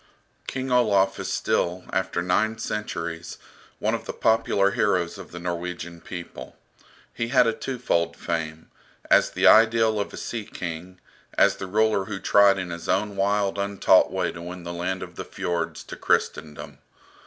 King Olaf is still, after nine centuries, one of the popular heroes of the Norwegian people. He had a twofold fame, as the ideal of a sea king, as the ruler who tried in his own wild untaught way to win the land of the Fiords to Christendom.